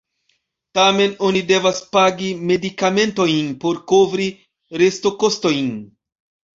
Tamen oni devas pagi medikamentojn por kovri restokostojn.